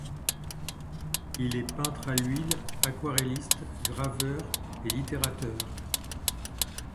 Il est peintre à l'huile, aquarelliste, graveur et littérateur.